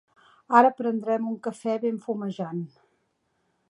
Ara prendrem un cafè ben fumejant.